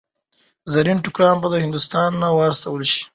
زرین ټوکران به هندوستان ته واستول شي.